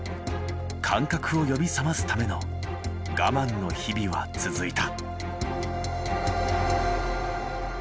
感覚を呼び覚ますための我慢の日々は続いた。